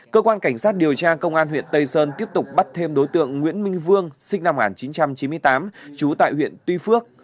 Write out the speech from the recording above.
cơ quan cảnh sát điều tra công an huyện tây sơn tiếp tục bắt thêm đối tượng nguyễn minh vương sinh năm một nghìn chín trăm chín mươi tám trú tại huyện tuy phước